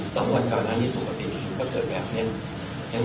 สามวันก่อนหน้านี่ปกติก็เกิดแบบเนี้ย